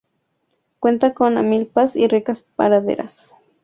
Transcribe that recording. Cuenta con amplias y ricas praderas.